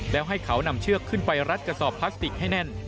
แล้วให้เขานำเชือกขึ้นไปรัดกระสอบพลาสติกให้แน่น